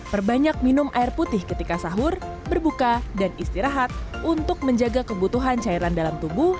perbanyak minum air putih ketika sahur berbuka dan istirahat untuk menjaga kebutuhan cairan dalam tubuh